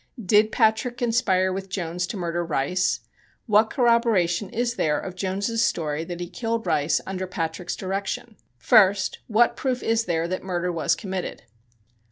Did Patrick conspire with Jones to murder Rice? What corroboration is there of Jones's story that he killed Rice under Patrick's direction? First: What proof is there that murder was committed?